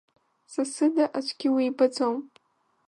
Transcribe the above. Са сыда аӡәгьы уибаӡом.